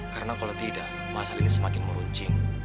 karena kalo tidak masalah ini semakin meruncing